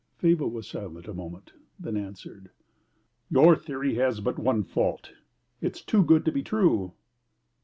Faber was silent a moment, then answered, "Your theory has but one fault: it is too good to be true."